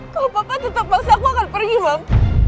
kalau papa tetap paksa aku akan pergi mam